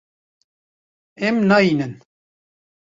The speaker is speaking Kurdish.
Em nayînin.